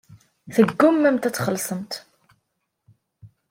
Teggummamt ad txellṣemt.